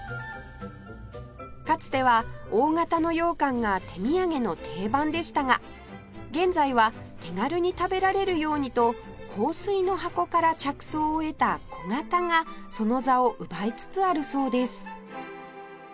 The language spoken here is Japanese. かつては大形の羊羹が手土産の定番でしたが現在は手軽に食べられるようにと香水の箱から着想を得た小形がその座を奪いつつあるそうです